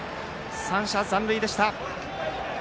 ３者残塁でした。